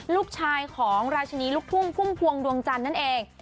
ลูกชายของราชินีลุกทุ่งภูมิภวงดวงจันนั่นเอง